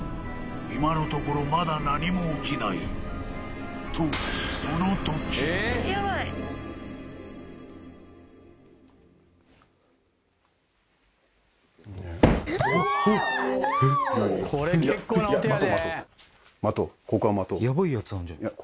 今のところまだ何も起きないと待とうここは待とうヤバいやつなんじゃいや